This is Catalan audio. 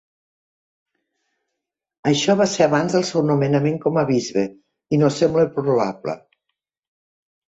Això va ser abans del seu nomenament com a bisbe i no sembla probable.